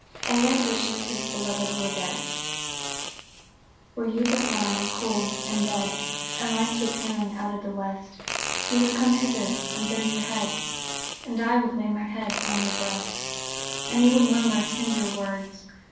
58 AEDH WISHES HIS BELOVED WERE DEAD Were you but lying cold and dead. And lights were paling out of the West, You would come hither, and bend your head, And I would lay my head on your breast ; And you would murmur tender words.